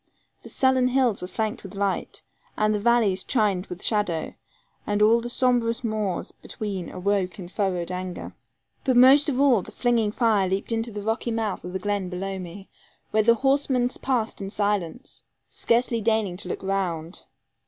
The sullen hills were flanked with light, and the valleys chined with shadow, and all the sombrous moors between awoke in furrowed anger. But most of all the flinging fire leaped into the rocky mouth of the glen below me, where the horsemen passed in silence, scarcely deigning to look round.